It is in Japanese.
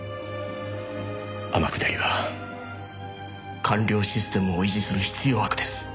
天下りは官僚システムを維持する必要悪です。